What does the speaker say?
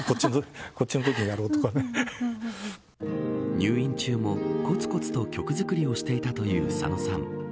入院中もこつこつと曲作りをしていたという佐野さん。